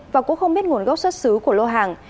và cũng không biết nguồn gốc xuất xứ của lô hàng